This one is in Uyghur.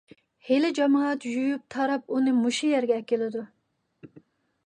ھېلى جامائەت يۇيۇپ - تاراپ ئۇنى مۇشۇ يەرگە ئەكىلىدۇ.